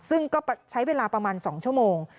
ซึ่งก็ใช้เวลาประมาณ๒ชั่วโมง